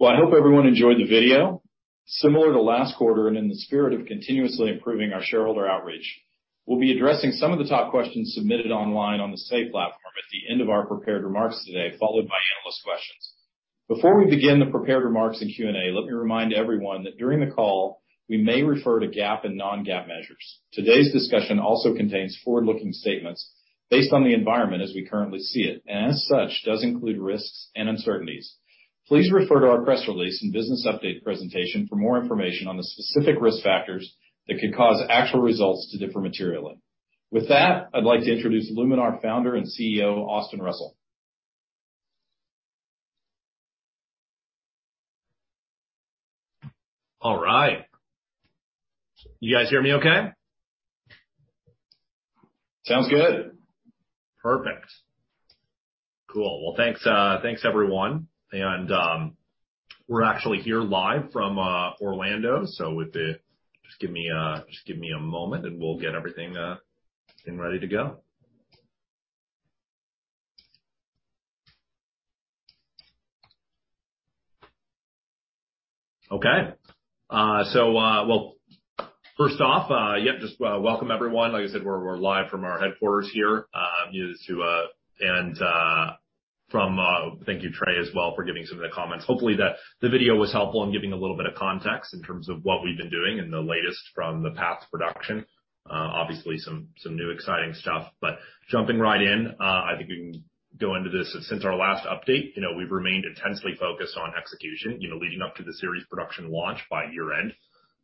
Well, I hope everyone enjoyed the video. Similar to last quarter and in the spirit of continuously improving our shareholder outreach, we'll be addressing some of the top questions submitted online on the Say platform at the end of our prepared remarks today, followed by analyst questions. Before we begin the prepared remarks and Q&A, let me remind everyone that during the call we may refer to GAAP and non-GAAP measures. Today's discussion also contains forward-looking statements based on the environment as we currently see it, and as such, does include risks and uncertainties. Please refer to our press release and business update presentation for more information on the specific risk factors that could cause actual results to differ materially. With that, I'd like to introduce Luminar founder and CEO, Austin Russell. All right. You guys hear me okay? Sounds good. Perfect. Cool. Well, thanks, everyone. We're actually here live from Orlando. Just give me a moment, and we'll get everything ready to go. Okay. First off, welcome everyone. Like I said, we're live from our headquarters here too, and thank you, Trey, as well for giving some of the comments. Hopefully the video was helpful in giving a little bit of context in terms of what we've been doing and the latest from the path to production. Obviously some new exciting stuff, but jumping right in, I think we can go into this. Since our last update, you know, we've remained intensely focused on execution, you know, leading up to the series production launch by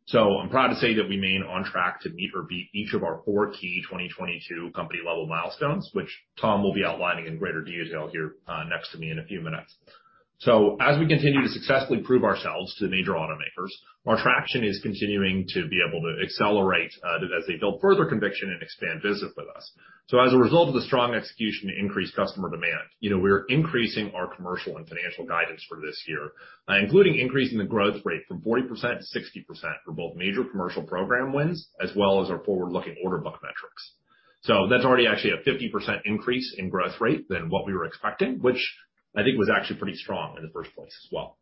year-end. I'm proud to say that we remain on track to meet or beat each of our four key 2022 company level milestones, which Tom will be outlining in greater detail here, next to me in a few minutes. As we continue to successfully prove ourselves to the major automakers, our traction is continuing to be able to accelerate, as they build further conviction and expand business with us. As a result of the strong execution to increase customer demand, you know, we're increasing our commercial and financial guidance for this year, including increasing the growth rate from 40% to 60% for both major commercial program wins, as well as our forward-looking order book metrics. That's already actually a 50% increase in growth rate than what we were expecting, which I think was actually pretty strong in the first place as well.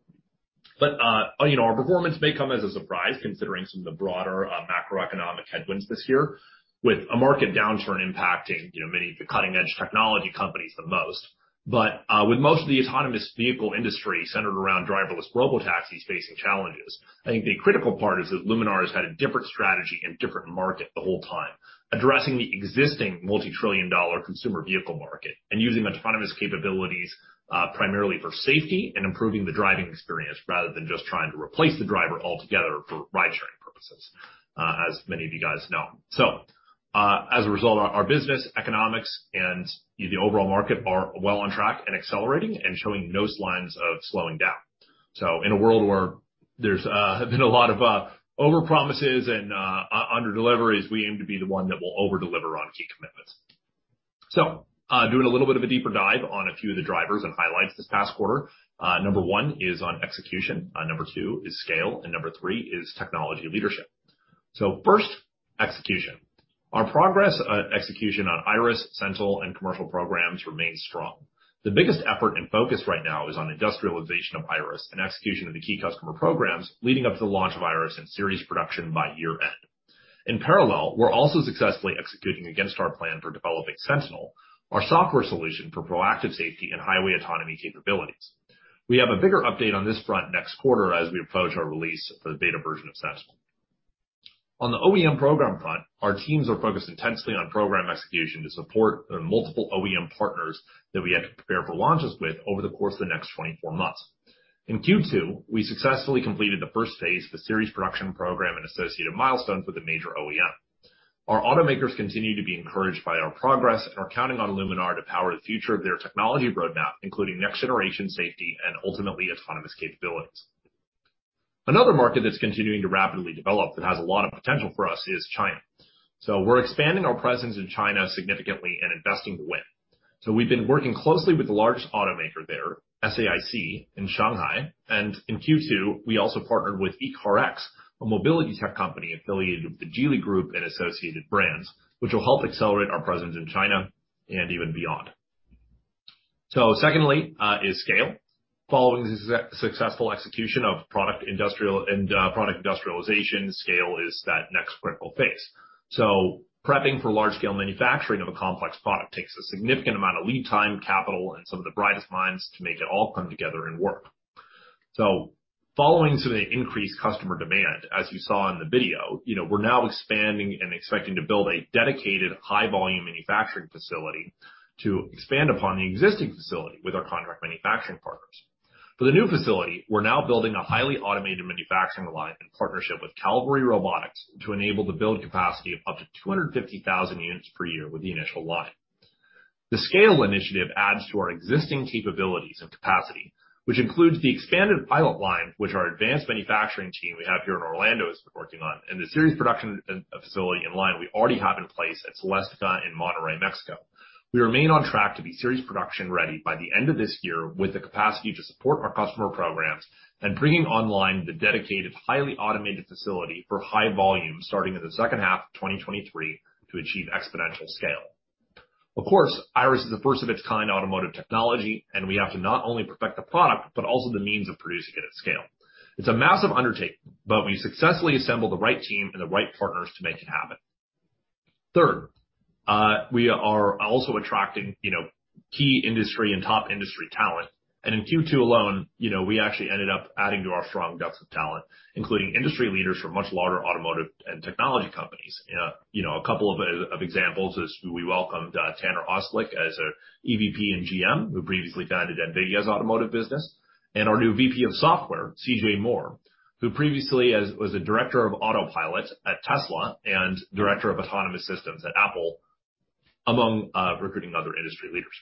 You know, our performance may come as a surprise considering some of the broader macroeconomic headwinds this year with a market downturn impacting, you know, many of the cutting edge technology companies the most. With most of the autonomous vehicle industry centered around driverless robotaxis facing challenges, I think the critical part is that Luminar has had a different strategy and different market the whole time, addressing the existing multi-trillion dollar consumer vehicle market and using the autonomous capabilities primarily for safety and improving the driving experience rather than just trying to replace the driver altogether for ride-sharing purposes, as many of you guys know. As a result, our business economics and the overall market are well on track and accelerating and showing no signs of slowing down. In a world where there's been a lot of over promises and under deliveries, we aim to be the one that will over deliver on key commitments. Doing a little bit of a deeper dive on a few of the drivers and highlights this past quarter. Number one is on execution, number two is scale, and number three is technology leadership. First, execution. Our progress on execution on Iris, Sentinel and commercial programs remains strong. The biggest effort and focus right now is on industrialization of Iris and execution of the key customer programs leading up to the launch of Iris in series production by year-end. In parallel, we're also successfully executing against our plan for developing Sentinel, our software solution for proactive safety and highway autonomy capabilities. We have a bigger update on this front next quarter as we approach our release of the beta version of Sentinel. On the OEM program front, our teams are focused intensely on program execution to support the multiple OEM partners that we had to prepare for launches with over the course of the next 24 months. In Q2, we successfully completed the first phase of the series production program and associated milestones with a major OEM. Our automakers continue to be encouraged by our progress and are counting on Luminar to power the future of their technology roadmap, including next generation safety and ultimately autonomous capabilities. Another market that's continuing to rapidly develop that has a lot of potential for us is China. We're expanding our presence in China significantly and investing to win. We've been working closely with the largest automaker there, SAIC in Shanghai, and in Q2, we also partnered with ECARX, a mobility tech company affiliated with the Geely Group and associated brands, which will help accelerate our presence in China and even beyond. Secondly, is scale. Following the successful execution of product industrialization, scale is that next critical phase. Prepping for large scale manufacturing of a complex product takes a significant amount of lead time, capital, and some of the brightest minds to make it all come together and work. Following some of the increased customer demand, as you saw in the video, you know, we're now expanding and expecting to build a dedicated high volume manufacturing facility to expand upon the existing facility with our contract manufacturing partners. For the new facility, we're now building a highly automated manufacturing line in partnership with Calvary Robotics to enable the build capacity of up to 250,000 units per year with the initial line. The scale initiative adds to our existing capabilities and capacity, which includes the expanded pilot line, which our advanced manufacturing team we have here in Orlando has been working on, and the series production and facility in line we already have in place at Celestica in Monterrey, Mexico. We remain on track to be series production ready by the end of this year with the capacity to support our customer programs and bringing online the dedicated, highly automated facility for high volume starting in the second half of 2023 to achieve exponential scale. Of course, Iris is a first of its kind automotive technology, and we have to not only perfect the product, but also the means of producing it at scale. It's a massive undertaking, but we successfully assembled the right team and the right partners to make it happen. Third, we are also attracting, you know, key industry and top industry talent. In Q2 alone, you know, we actually ended up adding to our strong depth of talent, including industry leaders from much larger automotive and technology companies. You know, a couple of examples is we welcomed Taner Ozcelik as our EVP and GM, who previously guided NVIDIA's automotive business, and our new VP of software, CJ Moore, who previously was a director of Autopilot at Tesla and Director of Autonomous Systems at Apple, among recruiting other industry leaders.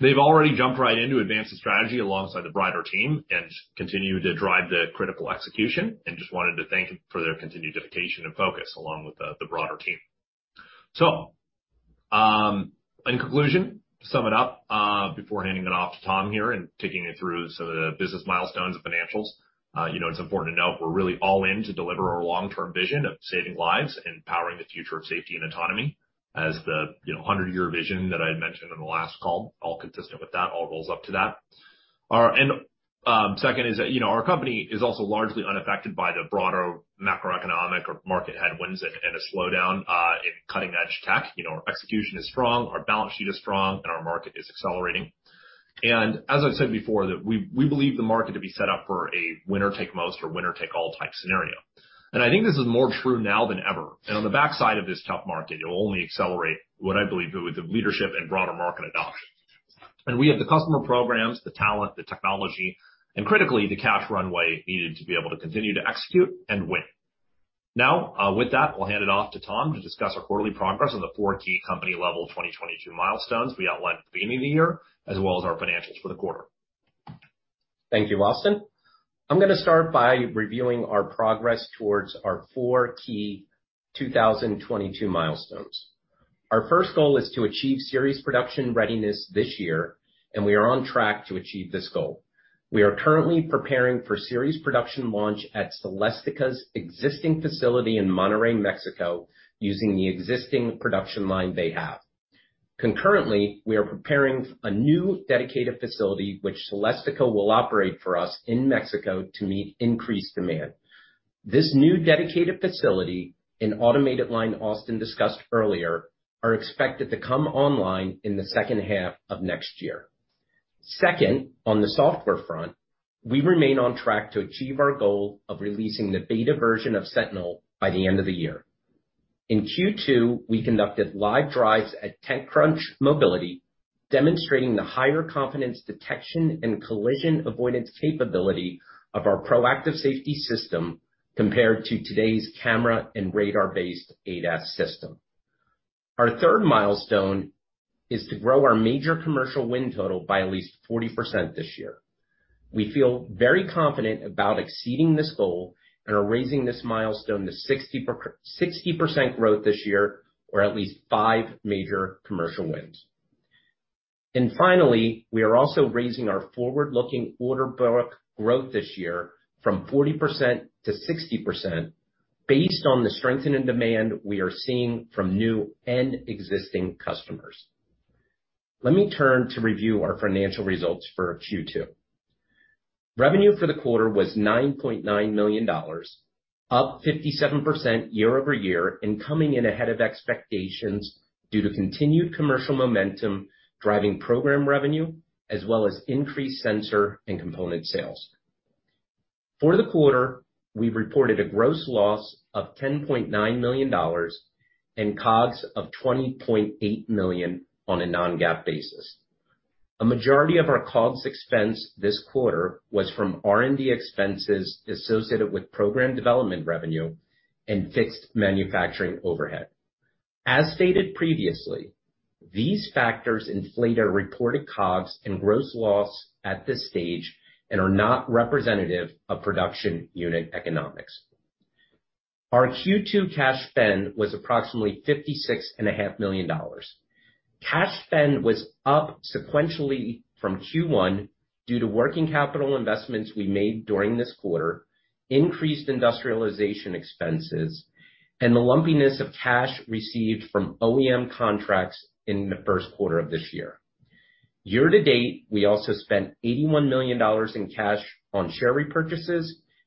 They've already jumped right in to advance the strategy alongside the broader team and continue to drive the critical execution. Just wanted to thank them for their continued dedication and focus along with the broader team. In conclusion, to sum it up, before handing it off to Tom here and taking you through some of the business milestones and financials, you know, it's important to note we're really all in to deliver our long-term vision of saving lives and powering the future of safety and autonomy as the, you know, hundred-year vision that I had mentioned in the last call, all consistent with that, all rolls up to that. Second is that, you know, our company is also largely unaffected by the broader macroeconomic or market headwinds and a slowdown in cutting-edge tech. You know, our execution is strong, our balance sheet is strong, and our market is accelerating. As I've said before that we believe the market to be set up for a winner-take-most or winner-take-all type scenario. I think this is more true now than ever. On the backside of this tough market, it'll only accelerate what I believe with the leadership and broader market adoption. We have the customer programs, the talent, the technology, and critically, the cash runway needed to be able to continue to execute and win. Now, with that, I'll hand it off to Tom to discuss our quarterly progress on the four key company level 2022 milestones we outlined at the beginning of the year, as well as our financials for the quarter. Thank you, Austin. I'm gonna start by reviewing our progress towards our four key 2022 milestones. Our first goal is to achieve series production readiness this year, and we are on track to achieve this goal. We are currently preparing for series production launch at Celestica's existing facility in Monterrey, Mexico, using the existing production line they have. Concurrently, we are preparing a new dedicated facility which Celestica will operate for us in Mexico to meet increased demand. This new dedicated facility and automated line Austin discussed earlier are expected to come online in the second half of next year. Second, on the software front, we remain on track to achieve our goal of releasing the beta version of Sentinel by the end of the year. In Q2, we conducted live drives at TechCrunch Mobility, demonstrating the higher confidence detection and collision avoidance capability of our proactive safety system compared to today's camera and radar-based ADAS system. Our third milestone is to grow our major commercial win total by at least 40% this year. We feel very confident about exceeding this goal and are raising this milestone to 60% growth this year, or at least five major commercial wins. Finally, we are also raising our forward-looking order book growth this year from 40% to 60% based on the strengthening demand we are seeing from new and existing customers. Let me turn to review our financial results for Q2. Revenue for the quarter was $9.9 million, up 57% year-over-year and coming in ahead of expectations due to continued commercial momentum driving program revenue as well as increased sensor and component sales. For the quarter, we reported a gross loss of $10.9 million and COGS of $20.8 million on a non-GAAP basis. A majority of our COGS expense this quarter was from R&D expenses associated with program development revenue and fixed manufacturing overhead. As stated previously, these factors inflate our reported COGS and gross loss at this stage and are not representative of production unit economics. Our Q2 cash spend was approximately $56 and a half million. Cash spend was up sequentially from Q1 due to working capital investments we made during this quarter, increased industrialization expenses, and the lumpiness of cash received from OEM contracts in the first quarter of this year. Year to date, we also spent $81 million in cash on share repurchases,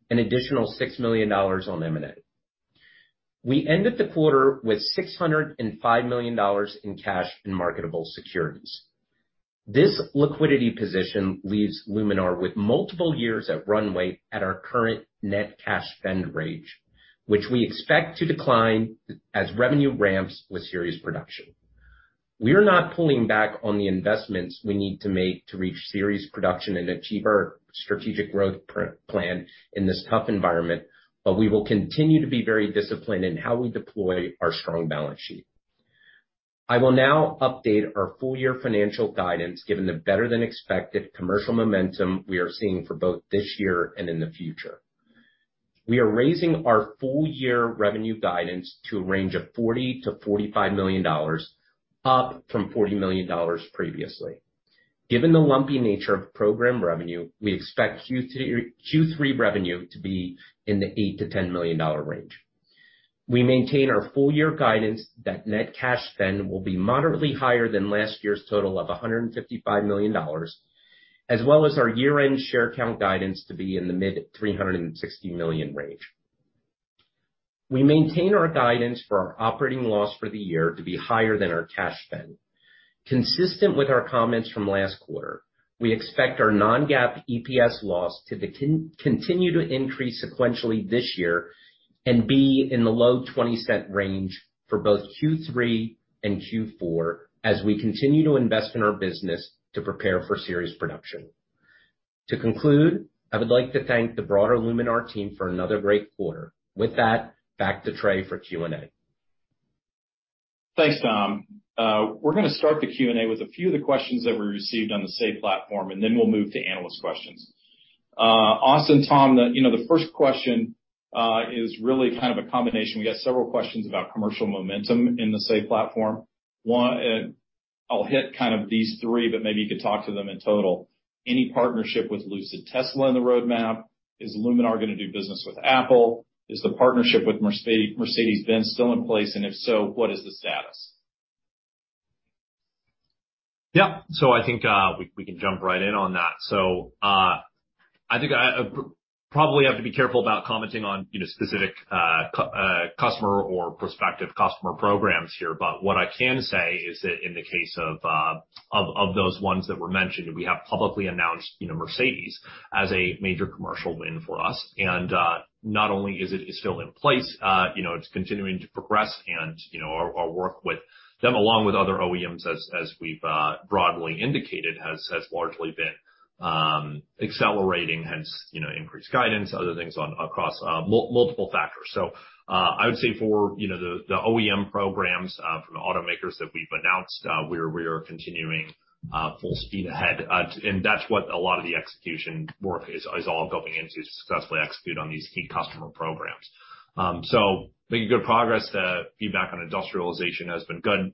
an additional $6 million on M&A. We ended the quarter with $605 million in cash and marketable securities. This liquidity position leaves Luminar with multiple years of runway at our current net cash spend range, which we expect to decline as revenue ramps with series production. We are not pulling back on the investments we need to make to reach series production and achieve our strategic growth plan in this tough environment, but we will continue to be very disciplined in how we deploy our strong balance sheet. I will now update our full year financial guidance given the better than expected commercial momentum we are seeing for both this year and in the future. We are raising our full year revenue guidance to a range of $40 million-$45 million, up from $40 million previously. Given the lumpy nature of program revenue, we expect Q3 revenue to be in the $8 million-$10 million range. We maintain our full year guidance that net cash spend will be moderately higher than last year's total of $155 million, as well as our year-end share count guidance to be in the mid-360 million range. We maintain our guidance for our operating loss for the year to be higher than our cash spend. Consistent with our comments from last quarter, we expect our non-GAAP EPS loss to continue to increase sequentially this year and be in the low $0.20 range for both Q3 and Q4 as we continue to invest in our business to prepare for series production. To conclude, I would like to thank the broader Luminar team for another great quarter. With that, back to Trey for Q&A. Thanks, Tom. We're gonna start the Q&A with a few of the questions that we received on the Say platform, and then we'll move to analyst questions. Austin, Tom, you know, the first question is really kind of a combination. We got several questions about commercial momentum in the Say platform. One, I'll hit kind of these three, but maybe you could talk to them in total. Any partnership with Lucid, Tesla in the roadmap? Is Luminar gonna do business with Apple? Is the partnership with Mercedes-Benz still in place? And if so, what is the status? Yeah. I think we can jump right in on that. I think I probably have to be careful about commenting on, you know, specific customer or prospective customer programs here, but what I can say is that in the case of those ones that were mentioned, we have publicly announced, you know, Mercedes-Benz as a major commercial win for us. Not only is it's still in place, you know, it's continuing to progress and, you know, our work with them, along with other OEMs as we've broadly indicated, has largely been accelerating, hence, you know, increased guidance, other things on across multiple factors. I would say for, you know, the OEM programs from the automakers that we've announced, we are continuing full speed ahead. That's what a lot of the execution work is all going into successfully execute on these key customer programs. Making good progress. The feedback on industrialization has been good.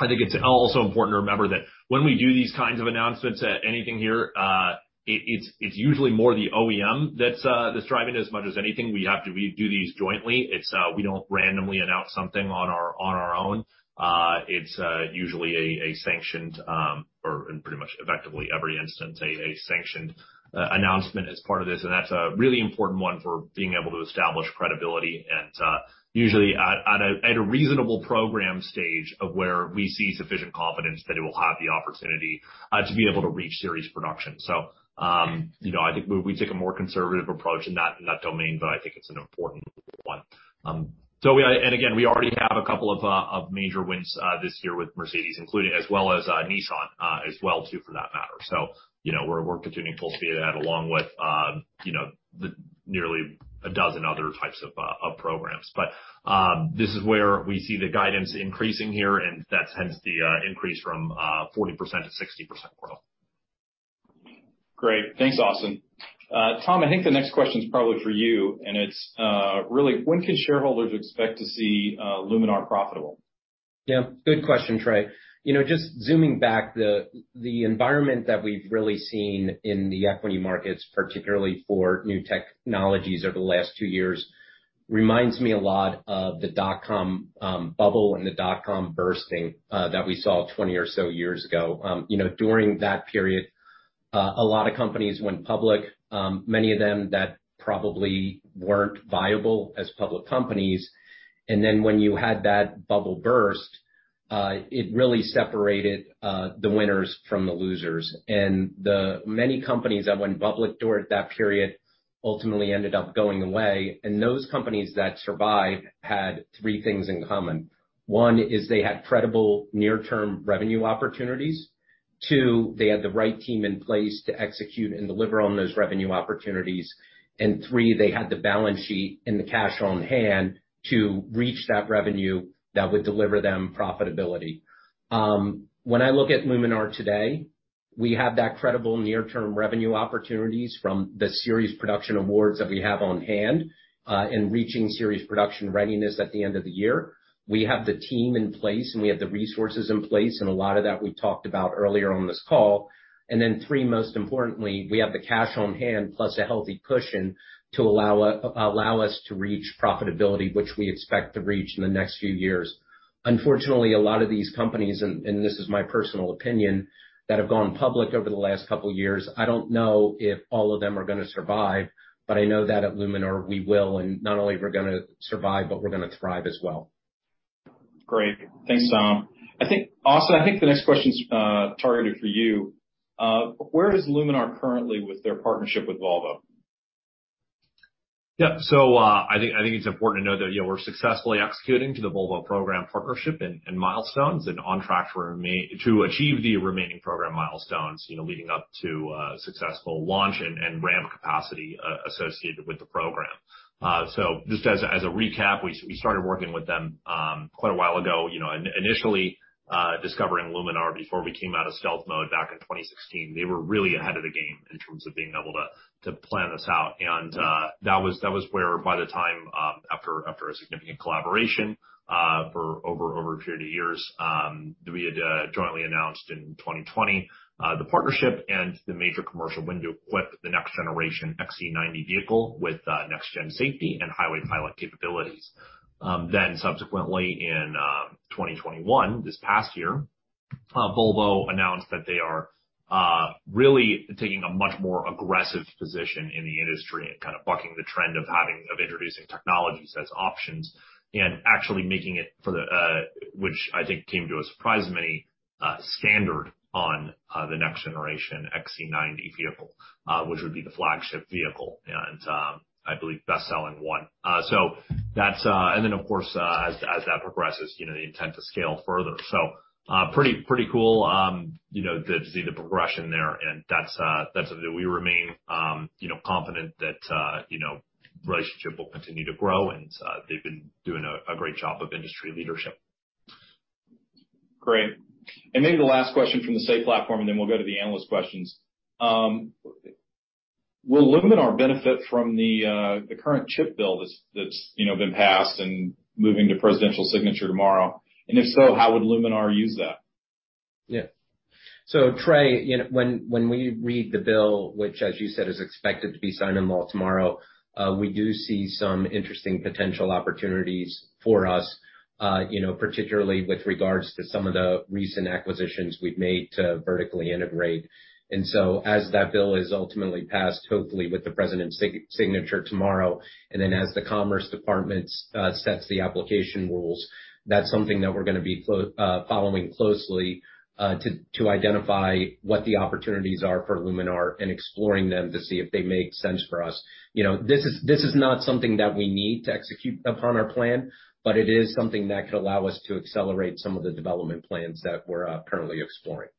I think it's also important to remember that when we do these kinds of announcements at any rate here, it's usually more the OEM that's driving as much as anything. We have to do these jointly. It's we don't randomly announce something on our own. It's usually a sanctioned or in pretty much effectively every instance, a sanctioned announcement as part of this, and that's a really important one for being able to establish credibility and usually at a reasonable program stage of where we see sufficient confidence that it will have the opportunity to be able to reach series production. You know, I think we take a more conservative approach in that domain, but I think it's an important one. Again, we already have a couple of major wins this year with Mercedes, including as well as Nissan as well too for that matter. You know, we're continuing full speed ahead along with you know, the nearly a dozen other types of programs. This is where we see the guidance increasing here, and that's hence the increase from 40% to 60% growth. Great. Thanks, Austin. Tom, I think the next question is probably for you, and it's really when can shareholders expect to see Luminar profitable? Yeah, good question, Trey. You know, just zooming back, the environment that we've really seen in the equity markets, particularly for new technologies over the last two years, reminds me a lot of the dot-com bubble and the dot-com bursting that we saw 20 or so years ago. You know, during that period, a lot of companies went public, many of them that probably weren't viable as public companies. When you had that bubble burst, it really separated the winners from the losers. The many companies that went public during that period ultimately ended up going away. Those companies that survived had three things in common. One is they had credible near-term revenue opportunities. Two, they had the right team in place to execute and deliver on those revenue opportunities. Three, they had the balance sheet and the cash on hand to reach that revenue that would deliver them profitability. When I look at Luminar today, we have that credible near-term revenue opportunities from the series production awards that we have on hand, and reaching series production readiness at the end of the year. We have the team in place, and we have the resources in place, and a lot of that we talked about earlier on this call. Three, most importantly, we have the cash on hand plus a healthy cushion to allow us to reach profitability, which we expect to reach in the next few years. Unfortunately, a lot of these companies, and this is my personal opinion, that have gone public over the last couple years, I don't know if all of them are gonna survive, but I know that at Luminar we will. Not only we're gonna survive, but we're gonna thrive as well. Great. Thanks, Tom. I think, Austin, the next question's targeted for you. Where is Luminar currently with their partnership with Volvo? Yeah. I think it's important to know that, you know, we're successfully executing to the Volvo program partnership and milestones and on track to achieve the remaining program milestones, you know, leading up to successful launch and ramp capacity associated with the program. Just as a recap, we started working with them quite a while ago, you know. Initially, discovering Luminar before we came out of stealth mode back in 2016, they were really ahead of the game in terms of being able to plan this out. That was where by the time after a significant collaboration. Over a period of years, we had jointly announced in 2020 the partnership and the major commercial window to equip the next generation XC90 vehicle with next gen safety and Highway Pilot capabilities. Then subsequently in 2021, this past year, Volvo announced that they are really taking a much more aggressive position in the industry and kind of bucking the trend of introducing technologies as options and actually making it standard on the next generation XC90 vehicle, which I think came as a surprise to many, which would be the flagship vehicle and I believe best-selling one. As that progresses, you know, they intend to scale further. Pretty cool, you know, to see the progression there. That's something we remain, you know, confident that, you know, relationship will continue to grow. They've been doing a great job of industry leadership. Great. Maybe the last question from the Say platform, and then we'll go to the analyst questions. Will Luminar benefit from the current chip bill that's you know been passed and moving to presidential signature tomorrow? If so, how would Luminar use that? Yeah, Trey, you know, when we read the bill, which, as you said, is expected to be signed into law tomorrow, we do see some interesting potential opportunities for us, you know, particularly with regards to some of the recent acquisitions we've made to vertically integrate. As that bill is ultimately passed, hopefully with the president's signature tomorrow, and then as the Commerce Department sets the application rules, that's something that we're gonna be following closely, to identify what the opportunities are for Luminar and exploring them to see if they make sense for us. You know, this is not something that we need to execute upon our plan, but it is something that could allow us to accelerate some of the development plans that we're currently exploring.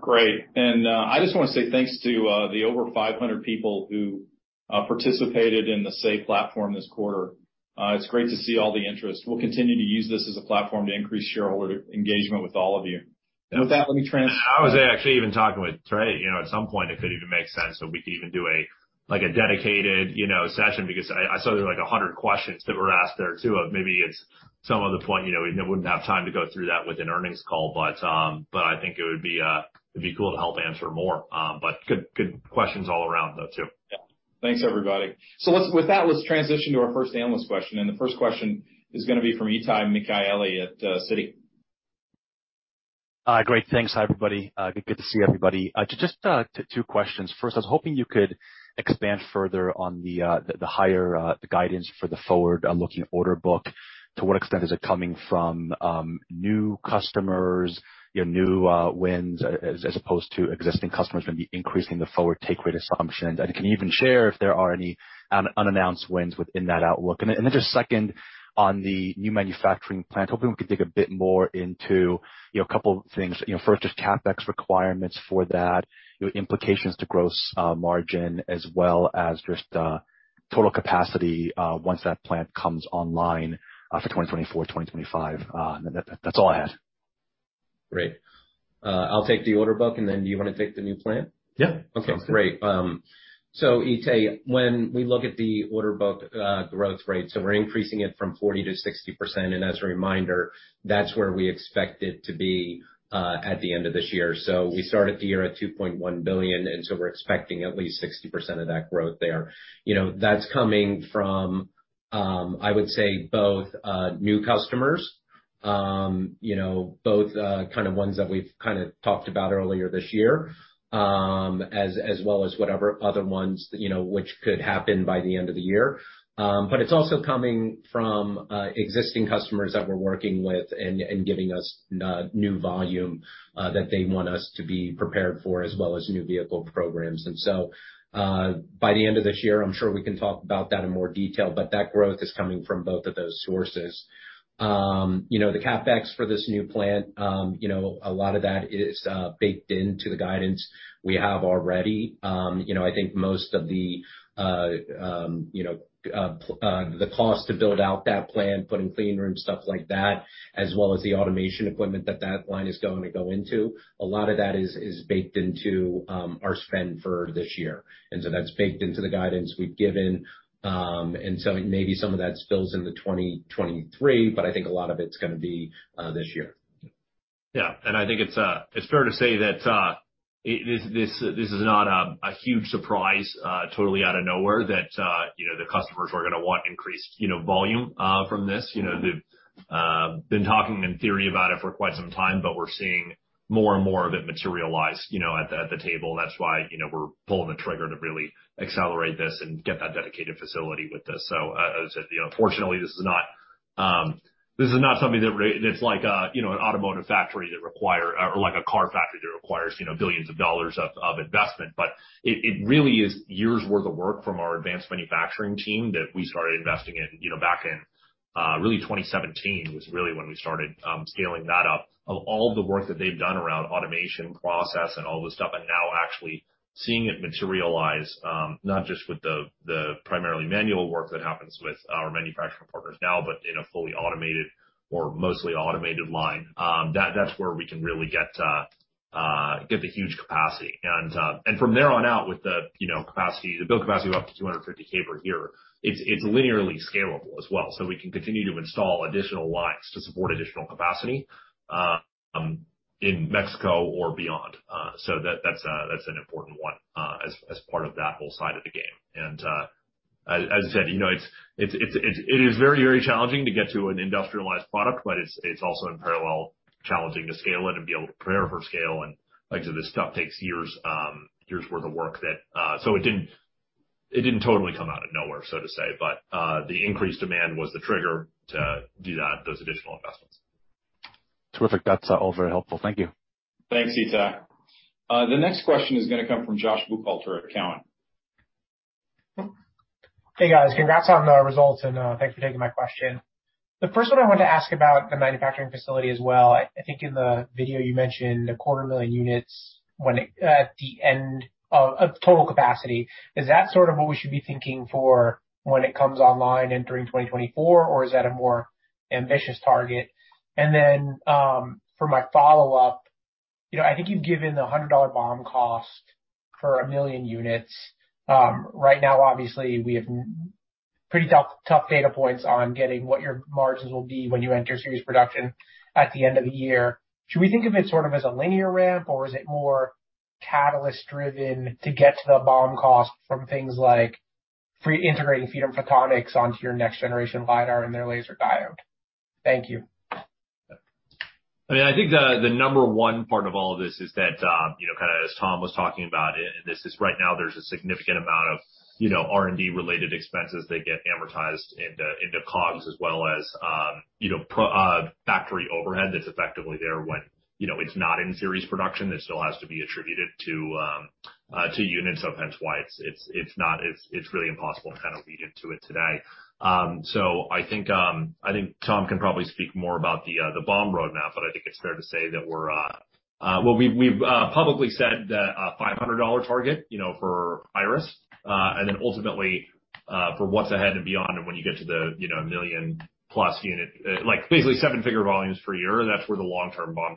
Great. I just wanna say thanks to the over 500 people who participated in the SAY platform this quarter. It's great to see all the interest. We'll continue to use this as a platform to increase shareholder engagement with all of you. I was actually even talking with Trey, you know, at some point it could even make sense that we could even do a, like, a dedicated, you know, session because I saw there were, like, 100 questions that were asked there too. Maybe it's some other point, you know, we wouldn't have time to go through that with an earnings call, but I think it would be cool to help answer more. Good questions all around though, too. Thanks, everybody. With that, let's transition to our first analyst question. The first question is gonna be from Itay Michaeli at Citi. Great. Thanks. Hi, everybody. Good to see everybody. Just two questions. First, I was hoping you could expand further on the higher the guidance for the forward-looking order book. To what extent is it coming from new customers, you know, new wins as opposed to existing customers maybe increasing the forward take rate assumptions? And can you even share if there are any unannounced wins within that outlook? And then just second on the new manufacturing plant, hoping we could dig a bit more into, you know, a couple things. You know, first, just CapEx requirements for that, you know, implications to gross margin, as well as just total capacity once that plant comes online for 2024, 2025. And that's all I had. Great. I'll take the order book and then do you wanna take the new plant? Yeah. Okay, great. Itay, when we look at the order book, growth rate, we're increasing it from 40%-60%. As a reminder, that's where we expect it to be, at the end of this year. We started the year at $2.1 billion, and we're expecting at least 60% of that growth there. You know, that's coming from, I would say both, new customers, you know, both, kind of ones that we've kind of talked about earlier this year, as well as whatever other ones, you know, which could happen by the end of the year. But it's also coming from, existing customers that we're working with and giving us, new volume, that they want us to be prepared for, as well as new vehicle programs. By the end of this year, I'm sure we can talk about that in more detail, but that growth is coming from both of those sources. You know, the CapEx for this new plant, you know, a lot of that is baked into the guidance we have already. You know, I think most of the, you know, the cost to build out that plant, putting clean room, stuff like that, as well as the automation equipment that line is going to go into, a lot of that is baked into our spend for this year. That's baked into the guidance we've given, and some, maybe some of that spills into 2023, but I think a lot of it's gonna be this year. I think it's fair to say that this is not a huge surprise, totally out of nowhere, that you know the customers are gonna want increased, you know, volume from this. You know, they've been talking in theory about it for quite some time, but we're seeing more and more of it materialize, you know, at the table. That's why, you know, we're pulling the trigger to really accelerate this and get that dedicated facility with this. As I said, you know, fortunately, this is not something that's like a, you know, an automotive factory that requires or like a car factory that requires, you know, billions of dollars of investment. It really is years' worth of work from our advanced manufacturing team that we started investing in, you know, back in, really 2017 was really when we started scaling that up. Of all the work that they've done around automation process and all this stuff, and now actually seeing it materialize, not just with the primarily manual work that happens with our manufacturing partners now, but in a fully automated or mostly automated line, that's where we can really get a huge capacity. From there on out with the, you know, capacity, the build capacity up to 250K per year, it's linearly scalable as well. We can continue to install additional lines to support additional capacity in Mexico or beyond. That's an important one, as part of that whole side of the game. As I said, you know, it is very challenging to get to an industrialized product, but it's also in parallel challenging to scale it and be able to prepare for scale. Like I said, this stuff takes years worth of work that it didn't totally come out of nowhere, so to say. The increased demand was the trigger to do that, those additional investments. Terrific. That's all very helpful. Thank you. Thanks, Itay. The next question is gonna come from Josh Buchalter at Cowen. Hey, guys. Congrats on the results, and thanks for taking my question. The first one I wanted to ask about the manufacturing facility as well. I think in the video you mentioned a quarter million units when it at the end of total capacity. Is that sort of what we should be thinking for when it comes online in during 2024 or is that a more ambitious target? Then, for my follow-up, you know, I think you've given the $100 BOM cost for 1 million units. Right now, obviously, we have pretty tough data points on getting what your margins will be when you enter series production at the end of the year. Should we think of it sort of as a linear ramp, or is it more catalyst driven to get to the BOM cost from things like integrating Freedom Photonics onto your next generation LiDAR and their laser diode? Thank you. I mean, I think the number one part of all of this is that, you know, kind of as Tom was talking about, and this is right now there's a significant amount of R&D related expenses that get amortized into COGS as well as factory overhead that's effectively there when it's not in series production that still has to be attributed to units, hence why it's not really impossible to kind of read into it today. I think Tom can probably speak more about the BOM roadmap, but I think it's fair to say that we've publicly said that a $500 target, you know, for Iris, and then ultimately, for what's ahead and beyond and when you get to the, you know, a 1 million+ unit, like basically seven-figure volumes per year, that's where the long-term BOM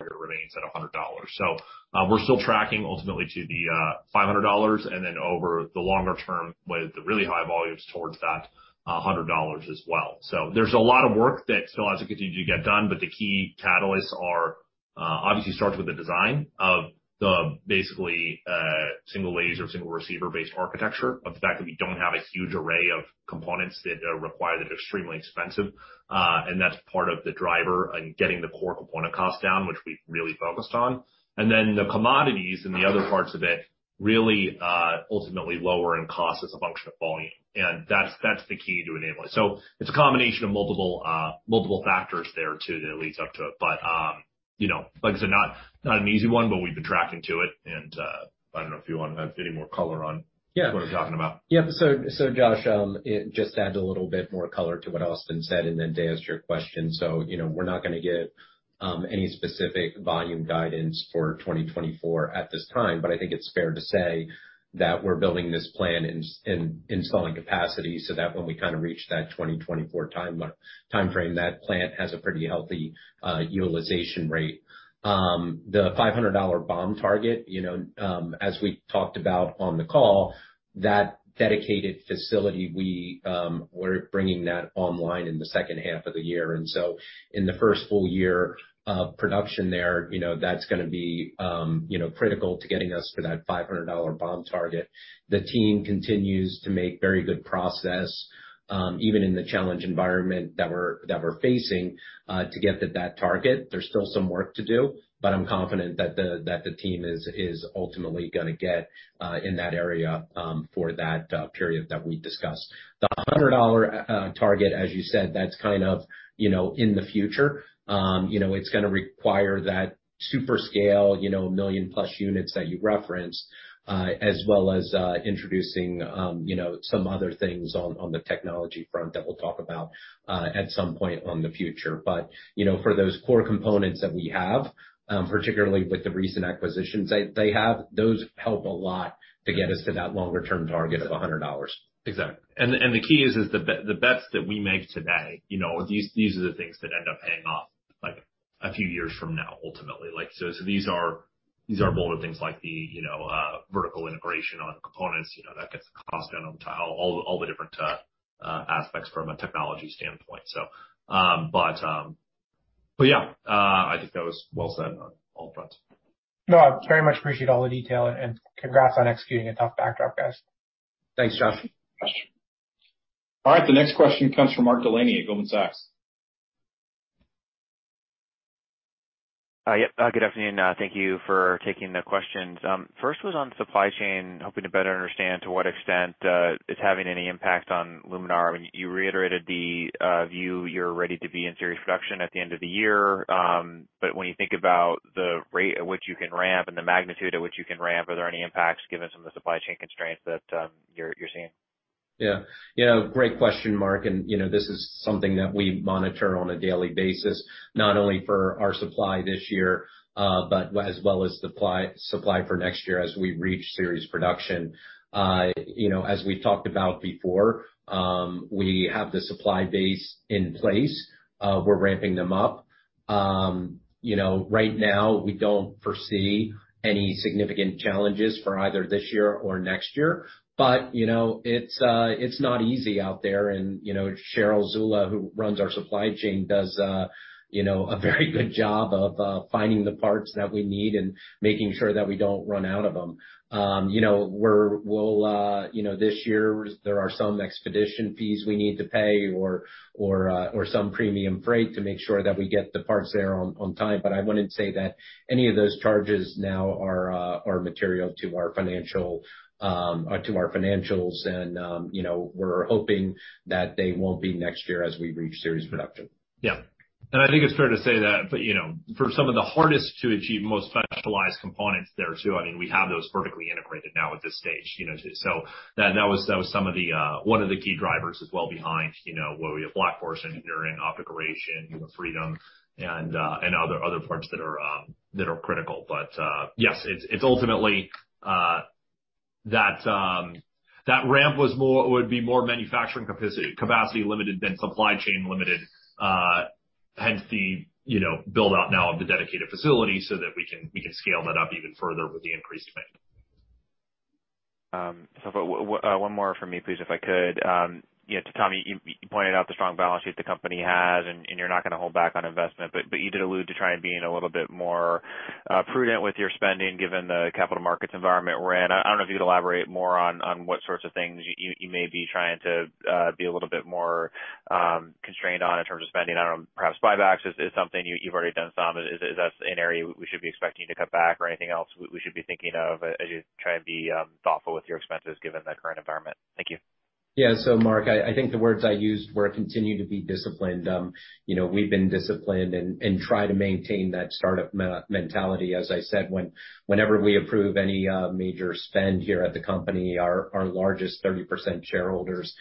target remains at $100. We're still tracking ultimately to the $500 and then over the longer term with the really high volumes towards that $100 as well. There's a lot of work that still has to continue to get done, but the key catalysts are obviously starts with the design of the basically single laser, single receiver-based architecture. Of the fact that we don't have a huge array of components that are required that are extremely expensive, and that's part of the driver in getting the core component cost down, which we've really focused on. Then the commodities and the other parts of it really ultimately lower in cost as a function of volume. That's the key to enabling. It's a combination of multiple factors there too that leads up to it. You know, like I said, not an easy one, but we've been tracking to it. I don't know if you wanna add any more color on. Yeah. what I'm talking about. Yeah. Josh, just to add a little bit more color to what Austin said, and then to answer your question. You know, we're not gonna give any specific volume guidance for 2024 at this time, but I think it's fair to say that we're building this plan and installing capacity so that when we kind of reach that 2024 timeframe, that plant has a pretty healthy utilization rate. The $500 BOM target, you know, as we talked about on the call, that dedicated facility. We're bringing that online in the second half of the year. In the first full year of production there, you know, that's gonna be, you know, critical to getting us to that $500 BOM target. The team continues to make very good progress, even in the challenge environment that we're facing, to get to that target. There's still some work to do, but I'm confident that the team is ultimately gonna get in that area, for that period that we discussed. The $100 target, as you said, that's kind of, you know, in the future. You know, it's gonna require that super scale, you know, million-plus units that you referenced, as well as introducing, you know, some other things on the technology front that we'll talk about, at some point in the future. You know, for those core components that we have, particularly with the recent acquisitions that they have, those help a lot to get us to that longer term target of $100. Exactly. The key is the bets that we make today, you know, these are the things that end up paying off like a few years from now, ultimately. Like, these are bolder things like the, you know, vertical integration on components, you know, that gets the cost down to all the different aspects from a technology standpoint. But yeah, I think that was well said on all fronts. No, I very much appreciate all the detail and congrats on executing a tough backdrop, guys. Thanks, Josh. All right, the next question comes from Mark Delaney at Goldman Sachs. Good afternoon. Thank you for taking the questions. First was on supply chain. Hoping to better understand to what extent it's having any impact on Luminar. When you reiterated the view you're ready to be in series production at the end of the year. When you think about the rate at which you can ramp and the magnitude at which you can ramp, are there any impacts given some of the supply chain constraints that you're seeing? Yeah. Yeah, great question, Mark. You know, this is something that we monitor on a daily basis, not only for our supply this year, but as well as supply for next year as we reach series production. You know, as we've talked about before, we have the supply base in place. We're ramping them up. You know, right now we don't foresee any significant challenges for either this year or next year, but, you know, it's not easy out there. You know, Cheryl Zula, who runs our supply chain, does you know a very good job of finding the parts that we need and making sure that we don't run out of them. You know, we'll, you know, this year there are some expediting fees we need to pay or some premium freight to make sure that we get the parts there on time. But I wouldn't say that any of those charges now are material to our financial or to our financials. You know, we're hoping that they won't be next year as we reach series production. Yeah. I think it's fair to say that, but you know, for some of the hardest to achieve, most specialized components there too, I mean, we have those vertically integrated now at this stage, you know. That was one of the key drivers as well behind you know what we have Black Forest Engineering and OptoGration, Freedom Photonics and other parts that are critical. Yes, it's ultimately that ramp would be more manufacturing capacity limited than supply chain limited, hence the you know build out now of the dedicated facility so that we can scale that up even further with the increased demand. One more from me, please, if I could. You know, to Tom, you pointed out the strong balance sheet the company has, and you're not gonna hold back on investment. You did allude to trying to be a little bit more prudent with your spending, given the capital markets environment we're in. I don't know if you'd elaborate more on what sorts of things you may be trying to be a little bit more constrained on in terms of spending. I don't know, perhaps buybacks is something you've already done some. Is that an area we should be expecting you to cut back or anything else we should be thinking of as you trying to be thoughtful with your expenses given the current environment? Thank you. Yeah. Mark, I think the words I used were continue to be disciplined. You know, we've been disciplined and try to maintain that startup mentality. As I said, whenever we approve any major spend here at the company, our largest 30% shareholder is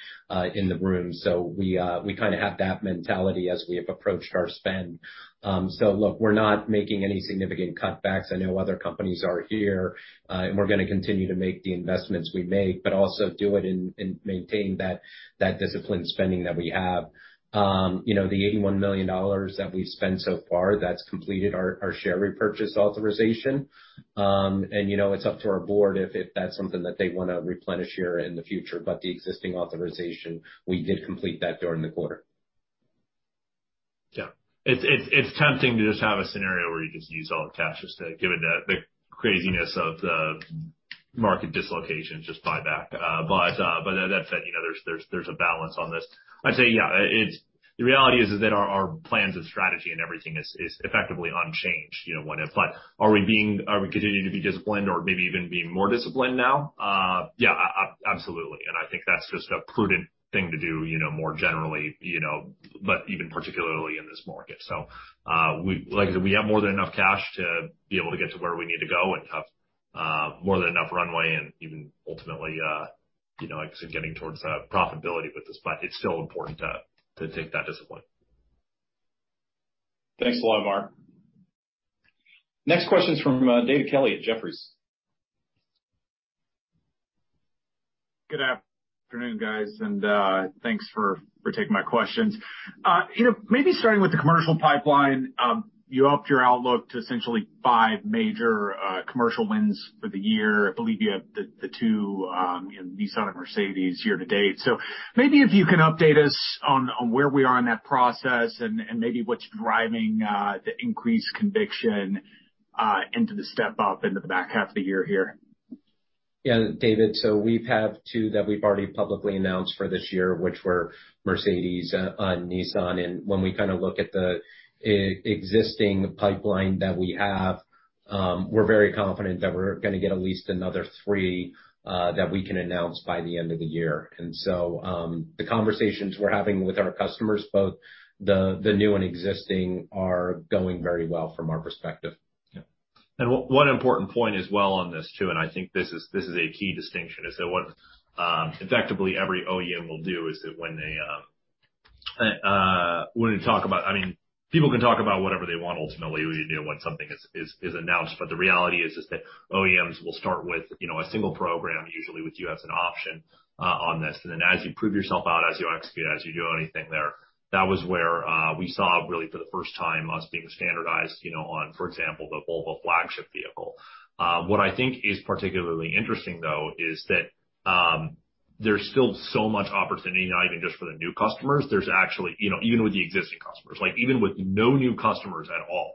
in the room. So we kinda have that mentality as we have approached our spend. Look, we're not making any significant cutbacks. I know other companies are here, and we're gonna continue to make the investments we make, but also do it and maintain that disciplined spending that we have. You know, the $81 million that we've spent so far, that's completed our share repurchase authorization. You know, it's up to our board if that's something that they wanna replenish here in the future. The existing authorization, we did complete that during the quarter. Yeah. It's tempting to just have a scenario where you just use all the cash just to give it the craziness of the market dislocation, just buy back. That said, you know, there's a balance on this. I'd say, yeah, it's the reality is that our plans and strategy and everything is effectively unchanged, you know, when it. Are we continuing to be disciplined or maybe even being more disciplined now? Yeah, absolutely. I think that's just a prudent thing to do, you know, more generally, you know, but even particularly in this market. Like I said, we have more than enough cash to be able to get to where we need to go and have more than enough runway and even ultimately, you know, like I said, getting towards profitability with this. It's still important to take that discipline. Thanks a lot, Mark. Next question is from David Kelley at Jefferies. Good afternoon, guys, and thanks for taking my questions. You know, maybe starting with the commercial pipeline, you upped your outlook to essentially five major commercial wins for the year. I believe you have the two, you know, Nissan and Mercedes year to date. Maybe if you can update us on where we are in that process and maybe what's driving the increased conviction into the step up into the back half of the year here. David, we have two that we've already publicly announced for this year, which were Mercedes-Benz, Nissan. When we kinda look at the existing pipeline that we have, we're very confident that we're gonna get at least another three that we can announce by the end of the year. The conversations we're having with our customers, both the new and existing, are going very well from our perspective. Yeah. One important point as well on this too, and I think this is a key distinction, is that what effectively every OEM will do is that when you talk about—I mean, people can talk about whatever they want ultimately, you know, when something is announced, but the reality is that OEMs will start with, you know, a single program, usually with you as an option, on this. Then as you prove yourself out, as you execute, as you do anything there, that was where we saw really for the first time us being standardized, you know, on, for example, the Volvo flagship vehicle. What I think is particularly interesting, though, is that there's still so much opportunity, not even just for the new customers. There's actually, you know, even with the existing customers, like even with no new customers at all,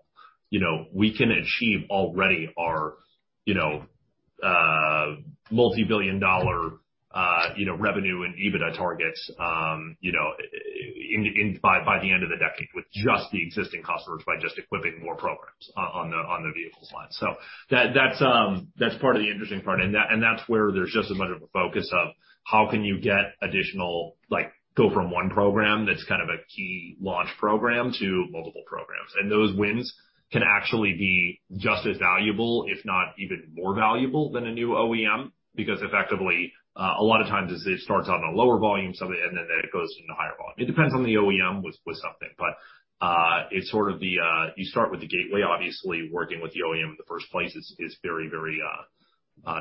you know, we can achieve already our, you know, multi-billion-dollar, you know, revenue and EBITDA targets, in by the end of the decade with just the existing customers by just equipping more programs on the vehicle side. That's part of the interesting part, and that's where there's just as much of a focus of how can you get additional like go from one program that's kind of a key launch program to multiple programs. Those wins can actually be just as valuable, if not even more valuable than a new OEM, because effectively, a lot of times it starts on a lower volume and then it goes into higher volume. It depends on the OEM with something, but it's sort of the, you start with the gateway, obviously working with the OEM in the first place is very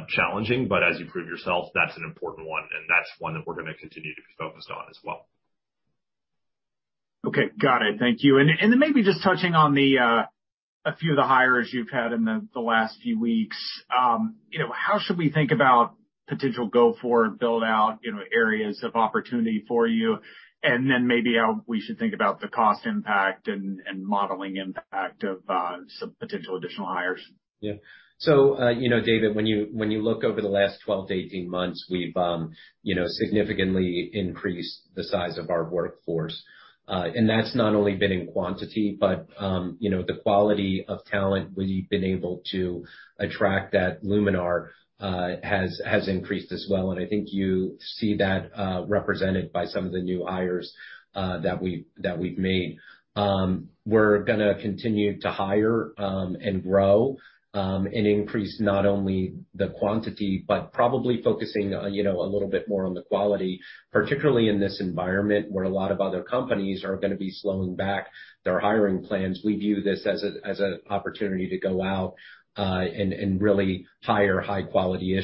Challenging, but as you prove yourself, that's an important one, and that's one that we're gonna continue to be focused on as well. Okay. Got it. Thank you. Then maybe just touching on a few of the hires you've had in the last few weeks. You know, how should we think about potential go forward build out, you know, areas of opportunity for you? Then maybe how we should think about the cost impact and modeling impact of some potential additional hires. Yeah. You know, David, when you look over the last 12-18 months, we've you know, significantly increased the size of our workforce. That's not only been in quantity, but you know, the quality of talent we've been able to attract at Luminar has increased as well. I think you see that represented by some of the new hires that we've made. We're gonna continue to hire and grow and increase not only the quantity, but probably focusing you know, a little bit more on the quality, particularly in this environment where a lot of other companies are gonna be slowing back their hiring plans. We view this as an opportunity to go out and really hire high-quality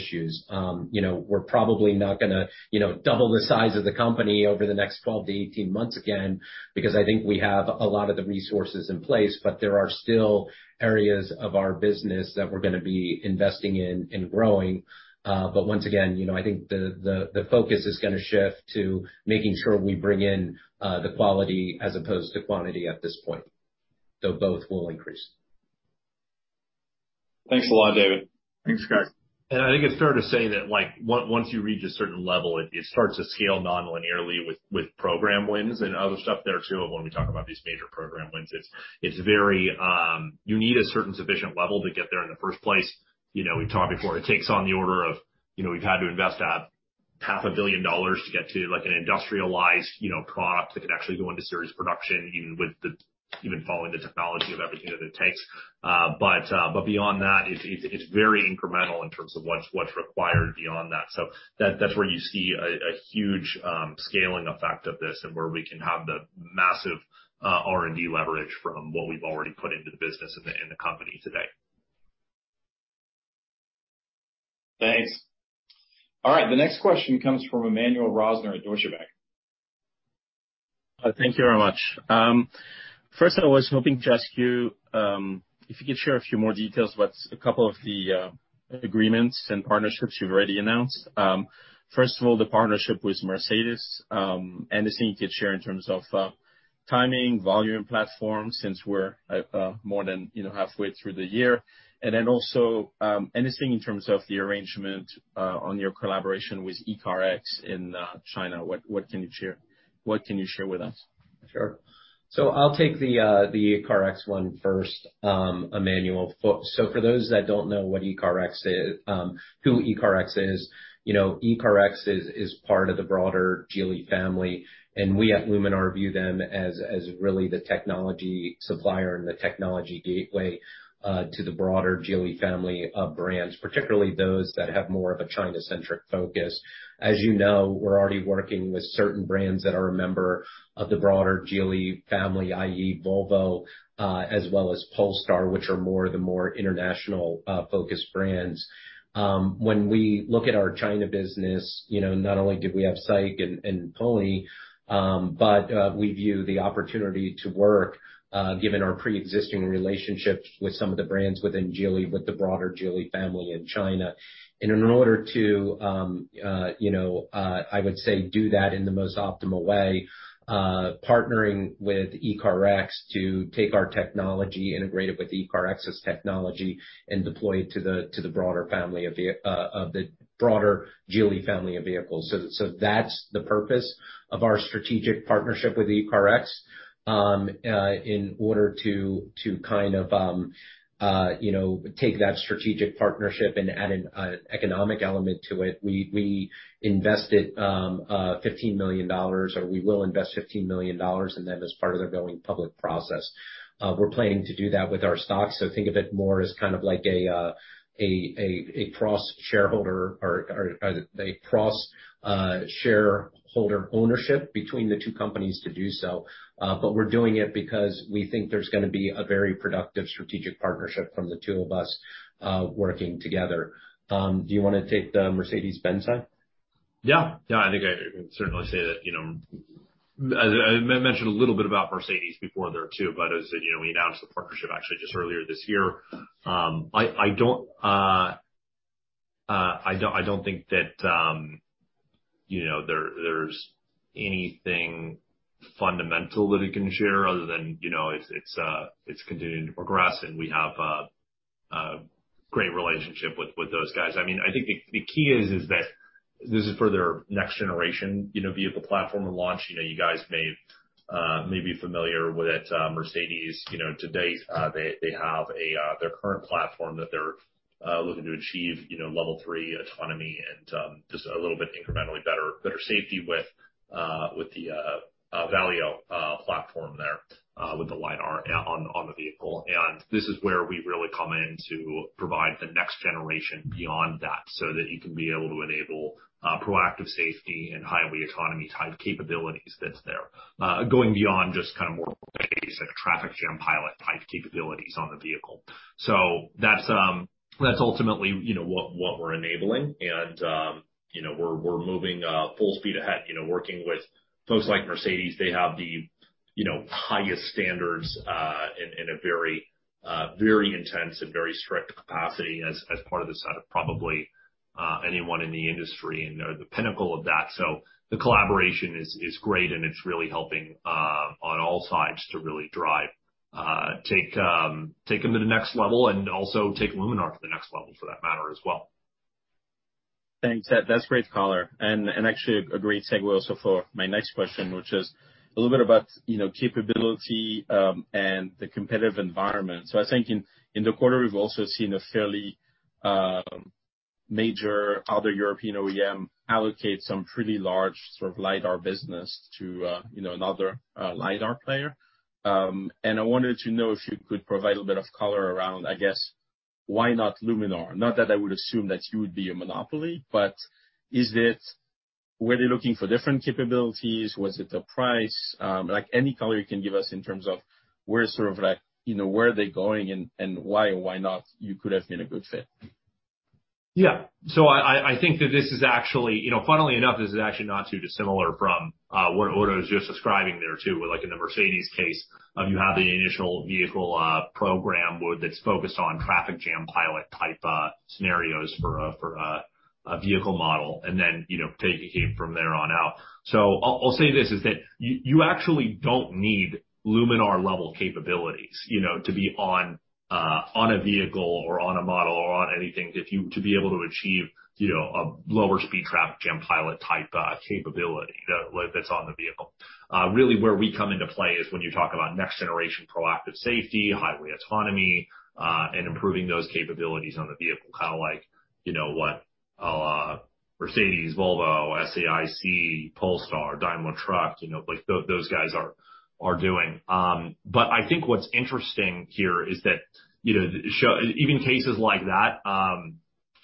talent. You know, we're probably not gonna, you know, double the size of the company over the next 12-18 months again, because I think we have a lot of the resources in place, but there are still areas of our business that we're gonna be investing in and growing. Once again, you know, I think the focus is gonna shift to making sure we bring in the quality as opposed to quantity at this point. Though both will increase. Thanks a lot, David. Thanks, guys. I think it's fair to say that, like, once you reach a certain level, it starts to scale nonlinearly with program wins and other stuff there too, when we talk about these major program wins. It's very. You need a certain sufficient level to get there in the first place. You know, we've talked before, it takes on the order of, you know, we've had to invest half a billion dollars to get to, like, an industrialized, you know, product that can actually go into series production, even following the technology of everything that it takes. But beyond that, it's very incremental in terms of what's required beyond that. That, that's where you see a huge scaling effect of this and where we can have the massive R&D leverage from what we've already put into the business and the company today. Thanks. All right, the next question comes from Emmanuel Rosner at Deutsche Bank. Thank you very much. First, I was hoping to ask you if you could share a few more details about a couple of the agreements and partnerships you've already announced. First of all, the partnership with Mercedes-Benz, anything you could share in terms of timing, volume, platform, since we're more than, you know, halfway through the year. Then also, anything in terms of the arrangement on your collaboration with ECARX in China, what can you share? What can you share with us? Sure. I'll take the ECARX one first, Emmanuel. For those that don't know what ECARX is, who ECARX is, you know, ECARX is part of the broader Geely family, and we at Luminar view them as really the technology supplier and the technology gateway to the broader Geely family of brands, particularly those that have more of a China-centric focus. As you know, we're already working with certain brands that are a member of the broader Geely family, i.e. Volvo, as well as Polestar, which are more international focused brands. When we look at our China business, you know, not only do we have SAIC and Pony.ai, but we view the opportunity to work, given our preexisting relationships with some of the brands within Geely, with the broader Geely family in China. In order to, you know, I would say do that in the most optimal way, partnering with ECARX to take our technology, integrate it with ECARX's technology and deploy it to the broader family of the broader Geely family of vehicles. That's the purpose of our strategic partnership with ECARX. In order to kind of, you know, take that strategic partnership and add an economic element to it, we invested $15 million, or we will invest $15 million in them as part of their going public process. We're planning to do that with our stock, so think of it more as kind of like a cross-shareholder or cross-shareholder ownership between the two companies to do so. But we're doing it because we think there's gonna be a very productive strategic partnership from the two of us working together. Do you wanna take the Mercedes-Benz side? Yeah. I think I can certainly say that, you know, I mentioned a little bit about Mercedes-Benz before there too, but as you know, we announced the partnership actually just earlier this year. I don't think that, you know, there's anything fundamental that we can share other than, you know, it's continuing to progress and we have a great relationship with those guys. I mean, I think the key is that this is for their next generation, you know, vehicle platform and launch. You know, you guys may be familiar with Mercedes-Benz. You know, to date, they have their current platform that they're looking to achieve, you know, Level 3 autonomy and just a little bit incrementally better safety with the Valeo platform there with the LiDAR on the vehicle. This is where we really come in to provide the next generation beyond that, so that you can be able to enable proactive safety and highway autonomy type capabilities that's there. Going beyond just kind of more basic Traffic Jam Pilot type capabilities on the vehicle. That's ultimately, you know, what we're enabling. You know, we're moving full speed ahead. You know, working with folks like Mercedes, they have the, you know, highest standards in a very intense and very strict capacity as part of this than probably anyone in the industry, and they're the pinnacle of that. The collaboration is great, and it's really helping on all sides to really drive take them to the next level and also take Luminar to the next level for that matter as well. Thanks, Ted. That's great color and actually a great segue also for my next question, which is a little bit about, you know, capability and the competitive environment. I think in the quarter, we've also seen a fairly major other European OEM allocate some pretty large sort of LiDAR business to, you know, another LiDAR player. I wanted to know if you could provide a bit of color around, I guess, why not Luminar. Not that I would assume that you would be a monopoly, but is it were they looking for different capabilities? Was it the price? Like any color you can give us in terms of where sort of like, you know, where are they going and why or why not you could have been a good fit. Yeah. I think that this is actually, you know, funnily enough, this is actually not too dissimilar from what Otto was just describing there, too. Like in the Mercedes case, you have the initial vehicle program where that's focused on Traffic Jam Pilot type scenarios for a vehicle model and then, you know, take it from there on out. I'll say this, is that you actually don't need Luminar level capabilities, you know, to be on a vehicle or on a model or on anything to be able to achieve, you know, a lower speed Traffic Jam Pilot type capability that's on the vehicle. Really, where we come into play is when you talk about next generation proactive safety, highway autonomy, and improving those capabilities on the vehicle, kind of like, you know, what Mercedes-Benz, Volvo, SAIC, Polestar, Daimler Truck, you know, like those guys are doing. But I think what's interesting here is that, you know, even cases like that,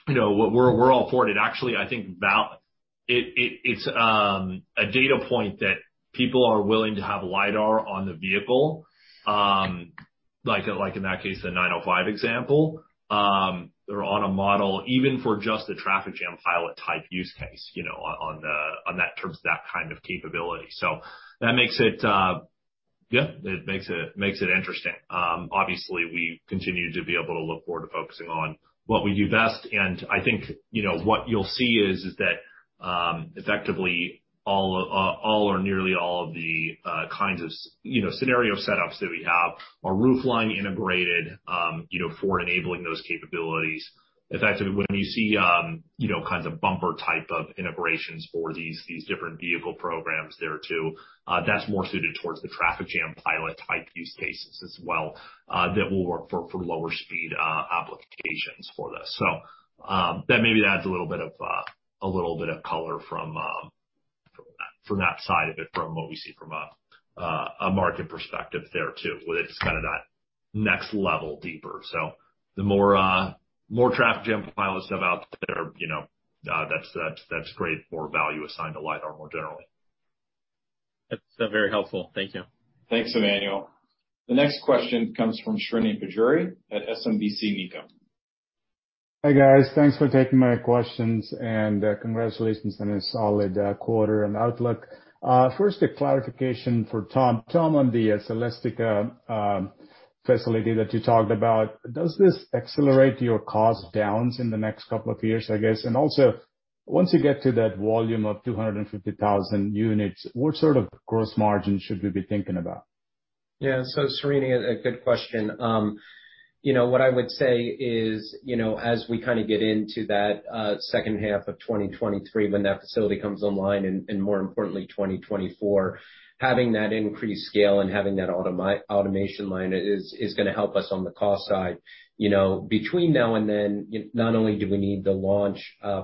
you know, we're all for it. Actually, I think it's a data point that people are willing to have LiDAR on the vehicle, like in that case, the 905 example, or on a model, even for just the Traffic Jam Pilot type use case, you know, in terms of that kind of capability. So that makes it, yeah, it makes it interesting. Obviously we continue to be able to look forward to focusing on what we do best. I think, you know, what you'll see is that effectively all or nearly all of the kinds of, you know, scenario setups that we have are roofline integrated, you know, for enabling those capabilities. Effectively, when you see, you know, kinds of bumper type of integrations for these different vehicle programs there too, that's more suited towards the Traffic Jam Pilot type use cases as well, that will work for lower speed applications for this. That maybe adds a little bit of color from that side of it, from what we see from a market perspective there too, with its kind of that next level deeper. The more Traffic Jam Pilot stuff out there, you know, that's great, more value assigned to LiDAR more generally. That's very helpful. Thank you. Thanks, Emmanuel. The next question comes from Srini Pajjuri at SMBC Nikko. Hi, guys. Thanks for taking my questions and, congratulations on a solid quarter and outlook. First a clarification for Tom. Tom, on the Celestica facility that you talked about, does this accelerate your cost downs in the next couple of years, I guess? And also, once you get to that volume of 250,000 units, what sort of gross margin should we be thinking about? Yeah. Srini, a good question. You know, what I would say is, you know, as we kind of get into that second half of 2023, when that facility comes online, and more importantly, 2024, having that increased scale and having that automation line is gonna help us on the cost side. You know, between now and then, not only do we need to launch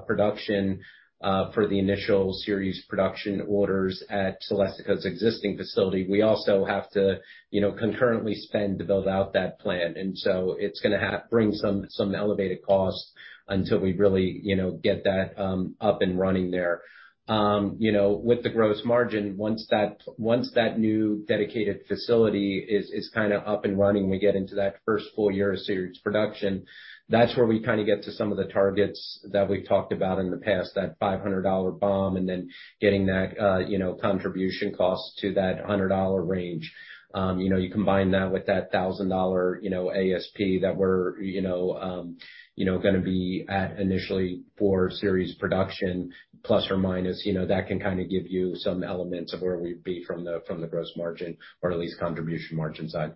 production for the initial series production orders at Celestica's existing facility, we also have to, you know, concurrently spend to build out that plant. It's gonna bring some elevated costs until we really, you know, get that up and running there. You know, with the gross margin, once that new dedicated facility is kinda up and running, we get into that first full year of series production, that's where we kinda get to some of the targets that we've talked about in the past, that $500 BOM and then getting that, you know, contribution cost to that $100 range. You know, you combine that with that $1,000, you know, ASP that we're, you know, gonna be at initially for series production, plus or minus, you know, that can kind of give you some elements of where we'd be from the gross margin or at least contribution margin side.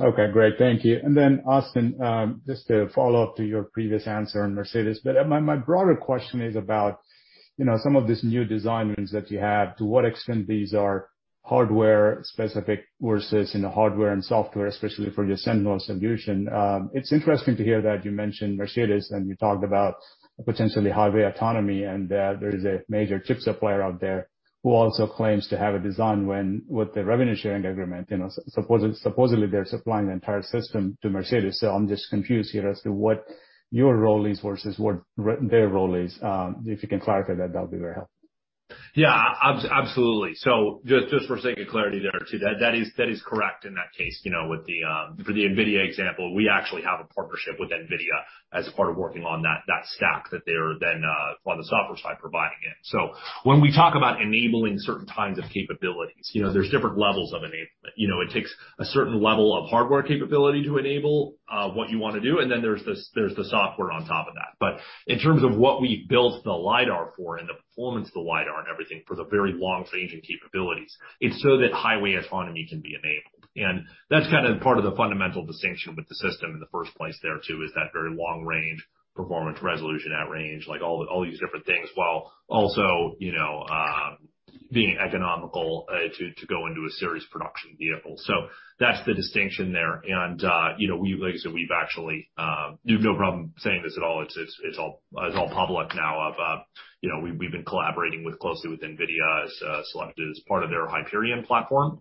Okay, great. Thank you. Austin, just to follow up to your previous answer on Mercedes, but my broader question is about, you know, some of these new designs that you have, to what extent these are hardware specific versus, you know, hardware and software, especially for your Sentinel solution. It's interesting to hear that you mentioned Mercedes, and you talked about potentially highway autonomy, and there is a major chip supplier out there who also claims to have a design win with the revenue-sharing agreement, you know, supposedly they're supplying the entire system to Mercedes. I'm just confused here as to what your role is versus what their role is. If you can clarify that'll be very helpful. Yeah. Absolutely. Just for sake of clarity there too, that is correct in that case, you know, for the NVIDIA example, we actually have a partnership with NVIDIA as part of working on that stack that they're then on the software side providing it. When we talk about enabling certain kinds of capabilities, you know, there's different levels of enablement. You know, it takes a certain level of hardware capability to enable what you wanna do, and then there's the software on top of that. In terms of what we built the LiDAR for and the performance of the LiDAR and everything for the very long-range and capabilities, it's so that highway autonomy can be enabled. That's kind of part of the fundamental distinction with the system in the first place there too, is that very long range, performance resolution at range, like all these different things, while also, you know, being economical to go into a series production vehicle. That's the distinction there. You know, like I said, we've actually, you have no problem saying this at all, it's all public now, you know, we've been collaborating closely with NVIDIA as selected as part of their DRIVE Hyperion platform,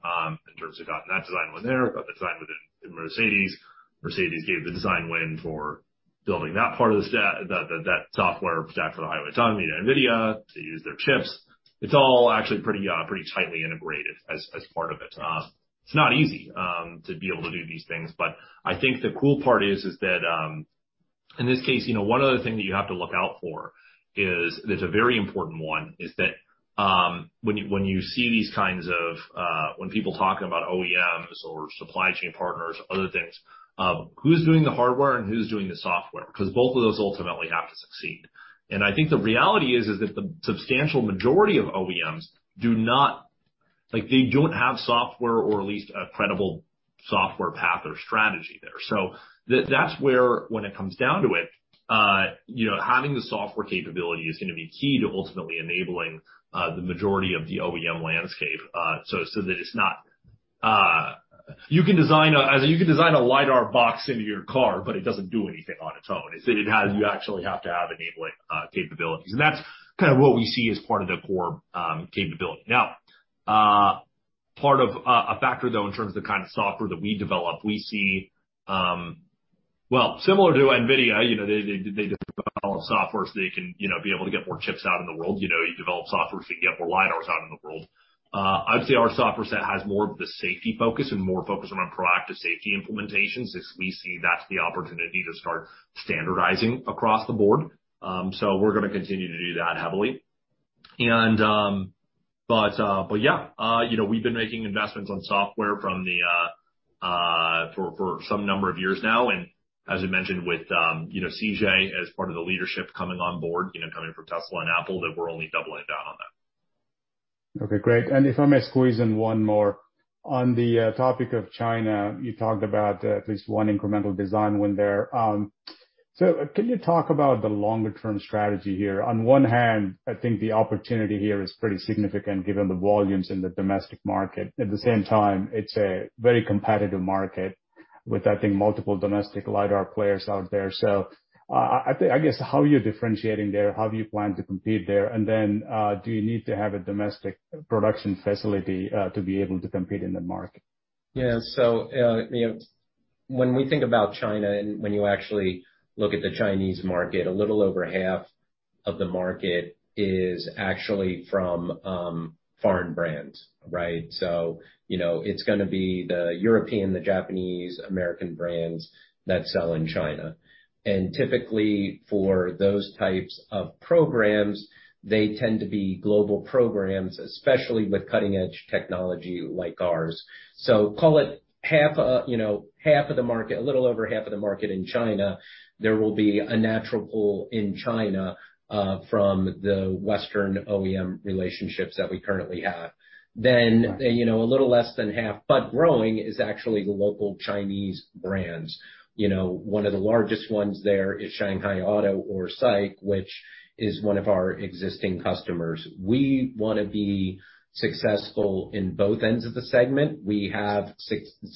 in terms of gotten that design win there, got the design win in Mercedes-Benz. Mercedes-Benz gave the design win for building that part of the that software stack for the highway autonomy to NVIDIA to use their chips. It's all actually pretty tightly integrated as part of it. It's not easy to be able to do these things, but I think the cool part is that in this case, you know, one other thing that you have to look out for is, that's a very important one, is that when you see these kinds of, when people talk about OEMs or supply chain partners, other things, who's doing the hardware and who's doing the software? 'Cause both of those ultimately have to succeed. I think the reality is that the substantial majority of OEMs do not. Like, they don't have software or at least a credible software path or strategy there. That's where when it comes down to it, you know, having the software capability is gonna be key to ultimately enabling the majority of the OEM landscape, so that it's not. You can design a LiDAR box into your car, but it doesn't do anything on its own. You actually have to have enabling capabilities. That's kind of what we see as part of the core capability. Now, part of a factor, though, in terms of the kind of software that we develop, we see. Well, similar to NVIDIA, you know, they develop software so they can, you know, be able to get more chips out in the world. You know, you develop software so you can get more LiDARs out in the world. I would say our software set has more of the safety focus and more focus on our proactive safety implementations, as we see that's the opportunity to start standardizing across the board. We're gonna continue to do that heavily. Yeah. You know, we've been making investments in software for some number of years now. As I mentioned with you know, CJ as part of the leadership coming on board, you know, coming from Tesla and Apple, that we're only doubling down on that. Okay, great. If I may squeeze in one more. On the topic of China, you talked about at least one incremental design win there. Can you talk about the longer term strategy here? On one hand, I think the opportunity here is pretty significant given the volumes in the domestic market. At the same time, it's a very competitive market with, I think, multiple domestic LiDAR players out there. I guess how are you differentiating there? How do you plan to compete there? Do you need to have a domestic production facility to be able to compete in the market? Yeah. You know, when we think about China and when you actually look at the Chinese market, a little over half of the market is actually from foreign brands, right? You know, it's gonna be the European, the Japanese, American brands that sell in China. Typically, for those types of programs, they tend to be global programs, especially with cutting-edge technology like ours. Call it half, you know, half of the market, a little over half of the market in China, there will be a natural pull in China from the Western OEM relationships that we currently have. You know, a little less than half, but growing, is actually local Chinese brands. You know, one of the largest ones there is SAIC Motor or SAIC, which is one of our existing customers. We wanna be successful in both ends of the segment. We have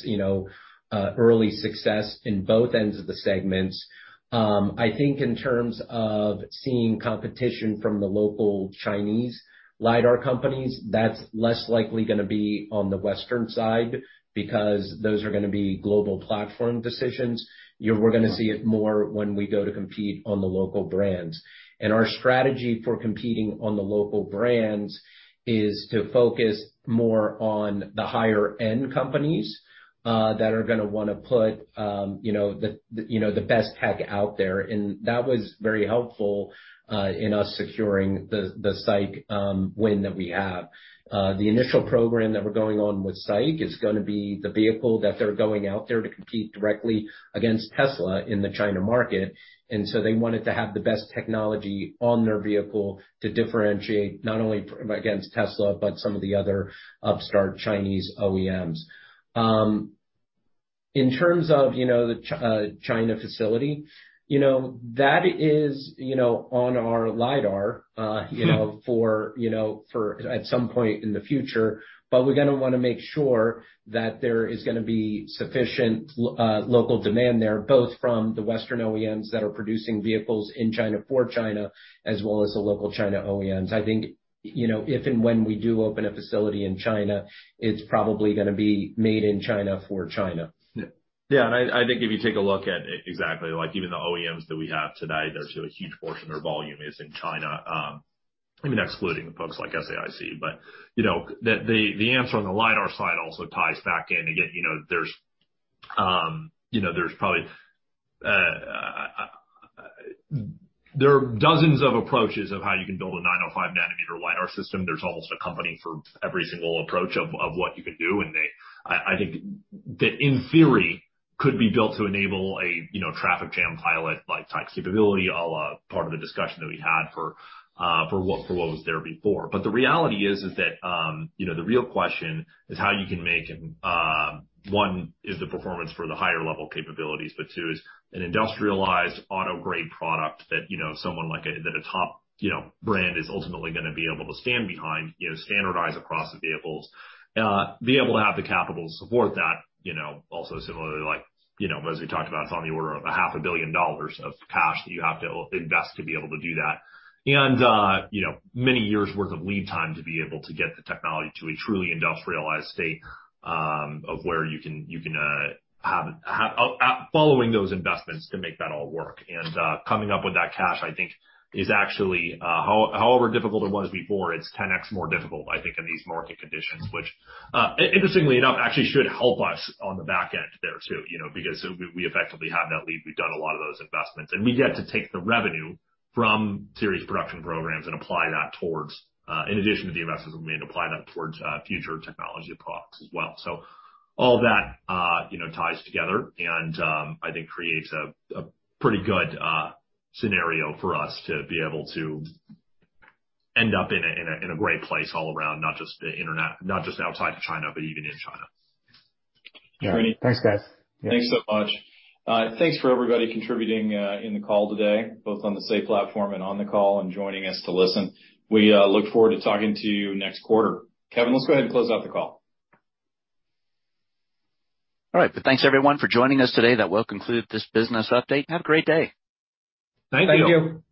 you know early success in both ends of the segments. I think in terms of seeing competition from the local Chinese LiDAR companies, that's less likely gonna be on the Western side because those are gonna be global platform decisions. You know, we're gonna see it more when we go to compete on the local brands. Our strategy for competing on the local brands is to focus more on the higher end companies that are gonna wanna put you know the you know the best tech out there. That was very helpful in us securing the SAIC win that we have. The initial program that we're going on with SAIC is gonna be the vehicle that they're going out there to compete directly against Tesla in the China market. They wanted to have the best technology on their vehicle to differentiate not only against Tesla, but some of the other upstart Chinese OEMs. In terms of, you know, the China facility, you know, that is, you know, on our LiDAR, you know, for, you know, for at some point in the future, but we're gonna wanna make sure that there is gonna be sufficient local demand there, both from the Western OEMs that are producing vehicles in China for China, as well as the local China OEMs. I think, you know, if and when we do open a facility in China, it's probably gonna be made in China for China. Yeah. I think if you take a look at exactly like even the OEMs that we have today, they're so a huge portion of their volume is in China, I mean, excluding the folks like SAIC, but you know, the answer on the LiDAR side also ties back in. Again, you know, there's you know, there's probably there are dozens of approaches of how you can build a 905 nanometer LiDAR system. There's almost a company for every single approach of what you can do. They I think that in theory could be built to enable a you know, Traffic Jam Pilot-like type capability, a la part of the discussion that we had for what was there before. The reality is that you know the real question is how you can make one is the performance for the higher level capabilities but two is an industrialized auto-grade product that you know someone like a top you know brand is ultimately gonna be able to stand behind you know standardize across the vehicles be able to have the capital support that you know also similarly like you know as we talked about it's on the order of a half a billion dollars of cash that you have to invest to be able to do that. You know many years worth of lead time to be able to get the technology to a truly industrialized state of where you can have following those investments to make that all work. Coming up with that cash, I think, is actually however difficult it was before, it's 10x more difficult, I think, in these market conditions. Which interestingly enough actually should help us on the back end there too, you know. Because we effectively have that lead. We've done a lot of those investments, and we get to take the revenue from series production programs and apply that towards, in addition to the investments we made, apply that towards future technology products as well. All that you know ties together and I think creates a pretty good scenario for us to be able to end up in a great place all around, not just the internet, not just outside of China, but even in China. Great. Thanks, guys. Thanks so much. Thanks for everybody contributing in the call today, both on the SAIC platform and on the call and joining us to listen. We look forward to talking to you next quarter. Kevin, let's go ahead and close out the call. All right. Thanks, everyone, for joining us today. That will conclude this business update. Have a great day. Thank you. Thank you.